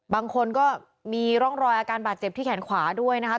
บางคนก็มีร่องรอยอาการบาดเจ็บที่แขนขวาด้วยนะครับ